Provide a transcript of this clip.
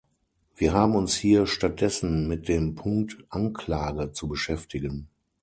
Wir haben uns hier statt dessen mit dem Punkt Anklage zu beschäftigen.